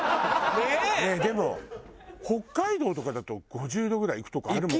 ねえでも北海道とかだと５０度ぐらいいくとこあるもんね。